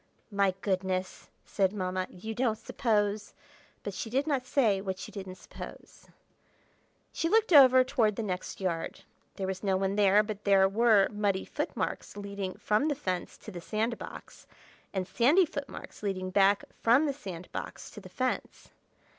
"My goodness!" said Mamma. "You don't suppose—" but she did not say what you didn't suppose. She looked over toward the next yard. There was no one there, but there were muddy footmarks leading from the fence to the sand box, and sandy footmarks leading back from the sand box to the fence.